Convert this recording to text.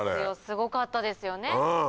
すごかったですよね。